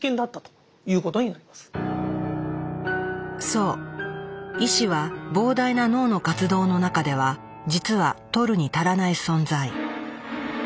そう意志は膨大な脳の活動の中では実はとるに足らない存在。